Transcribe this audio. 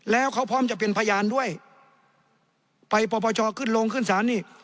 แล้วเขาพร้อมจะเป็นพยานด้วยไปปรปชขึ้นโรงขึ้นศาลนี่